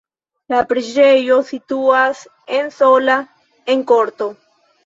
La preĝejo situas en sola en korto.